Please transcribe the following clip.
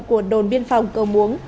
của đồn biên phòng cầu muống